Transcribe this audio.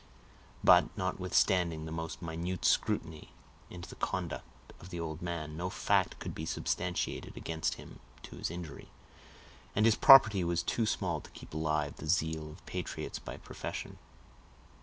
But, notwithstanding the most minute scrutiny into the conduct of the old man, no fact could be substantiated against him to his injury, and his property was too small to keep alive the zeal of patriots by profession.